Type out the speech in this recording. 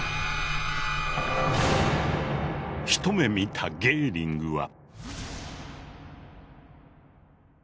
一目見たゲーリングは。